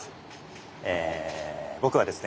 え僕はですね